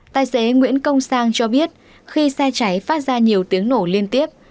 tài xế nguyễn công sang cho biết khi xe cháy phát ra nhiều tiếng nổ liên tiếp